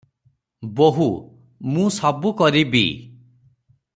ବୋହୂ- ମୁଁ -ସ -ବୁ - କ -ରି -ବି ।